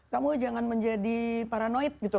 kamu jangan menjadi paranoid gitu